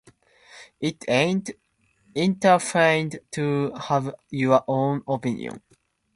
It ain’t interfering to have your own opinion.